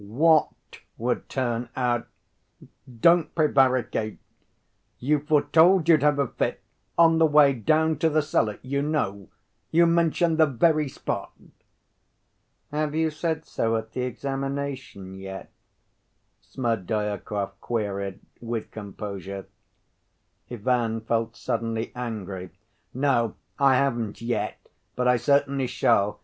"What would turn out? Don't prevaricate! You've foretold you'd have a fit; on the way down to the cellar, you know. You mentioned the very spot." "Have you said so at the examination yet?" Smerdyakov queried with composure. Ivan felt suddenly angry. "No, I haven't yet, but I certainly shall.